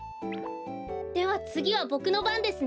ではつぎはボクのばんですね。